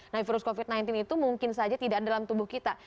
nah virus covid sembilan belas itu mungkin saja tidak ada dalam tubuh kita